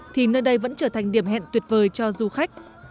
thì nơi đây vẫn trở thành điểm hẹn tuyệt vời cho du khách